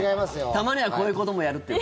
たまにはこういうこともやるという。